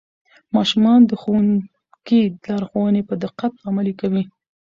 ماشومان د ښوونکي لارښوونې په دقت عملي کوي